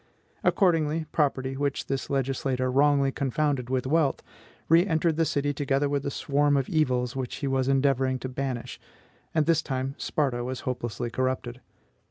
Accordingly, property, which this legislator wrongly confounded with wealth, reentered the city together with the swarm of evils which he was endeavoring to banish; and this time Sparta was hopelessly corrupted.